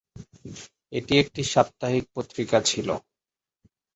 এটি একটি সাপ্তাহিক পত্রিকা ছিল।